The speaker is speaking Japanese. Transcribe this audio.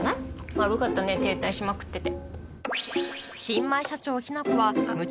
悪かったね停滞しまくってて。